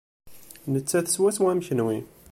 Nettat swaswa am kenwi.